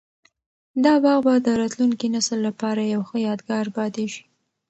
دا باغ به د راتلونکي نسل لپاره یو ښه یادګار پاتي شي.